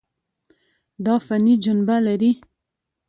دا فني جنبه لري.